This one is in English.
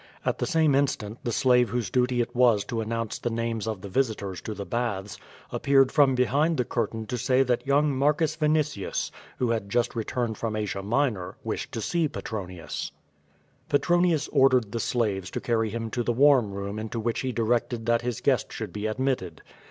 At the same instant the slave whose duty it was to announce the names of the visitors to the baths, ap peared from behind the curtain to say that young Marcus Vinitius, who had just returned from Asia Minor, wished to see Petroniufl. Petronius ordered the slaves to carry him to the warm room into which he directed that his guest should be ad mitted.